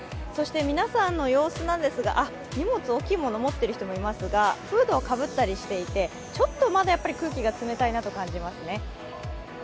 皆さんの様子なんですが、荷物、大きいものを持っている人もいますが、フードをかぶったりしていてちょっとまだ空気が冷たいなと感じますね。